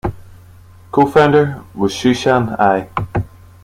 Co-founder was Xuexian Ai.